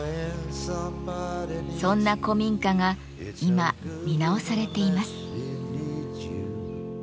そんな古民家が今見直されています。